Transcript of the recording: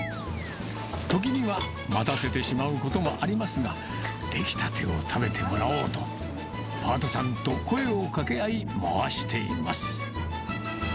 時には、待たせてしまうこともありますが、出来たてを食べてもらおうと、パートさんと声をかけ合い、回しています。